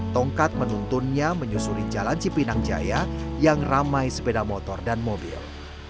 tongkat menuntunnya menyusuri jalan cipinang jaya yang ramai sepeda motor dan mobil